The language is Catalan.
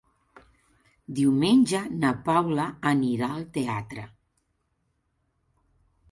Diumenge na Paula anirà al teatre.